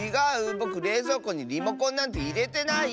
ぼくれいぞうこにリモコンなんていれてない！